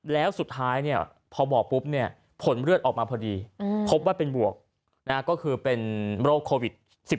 แล้วสุดท้ายพอบอกปุ๊บเนี่ยผลเลือดออกมาพอดีพบว่าเป็นบวกก็คือเป็นโรคโควิด๑๙